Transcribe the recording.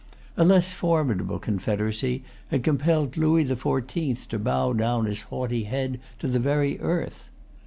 A less formidable confederacy had compelled Louis the Fourteenth to bow down his haughty head to the very earth.